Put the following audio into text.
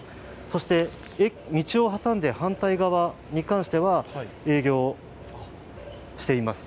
そして道を挟んで反対側に関しては営業しています。